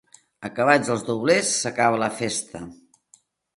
Acabats els doblers, s'acaba la festa.